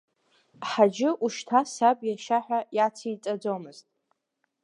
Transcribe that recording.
Ҳаџьы, ушьҭа саб иашьа ҳәа иациҵаӡомызт…